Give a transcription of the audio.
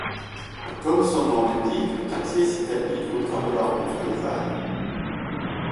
Comme son nom l'indique, le quartier s'établit autour de la route de Vannes.